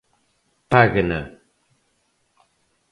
Páguena.